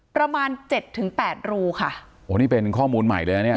ประมาณเจ็ดถึงแปดรูค่ะโอ้นี่เป็นข้อมูลใหม่เลยนะเนี้ย